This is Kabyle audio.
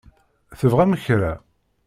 Tebɣam kra?